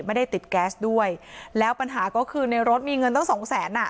ไม่ได้ติดแก๊สด้วยแล้วปัญหาก็คือในรถมีเงินตั้งสองแสนอ่ะ